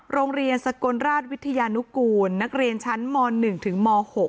โรงเรียนสกลราชวิทยานุกูลนักเรียนชั้นม๑ถึงม๖